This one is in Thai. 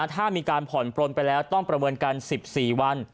ถ้ามีการผ่อนปลนไปแล้วต้องประเมินกัน๑๔วัน